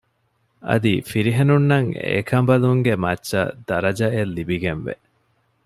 އަދި ފިރިހެނުންނަށް އެކަންބަލުންގެ މައްޗަށް ދަރަޖައެއް ލިބިގެންވެ